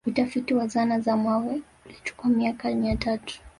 Utafiti wa zana za mawe ulichukua miaka mitatu